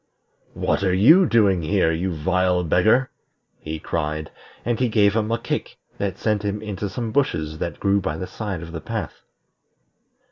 "What are you doing here, you vile beggar?" he cried; and he gave him a kick that sent him into some bushes that grew by the side of the path.